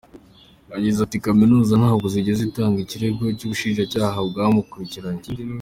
Yagize ati “Kaminuza ntabwo yigeze itanga ikirego ni ubushinjacyaha bwamukurikiranye.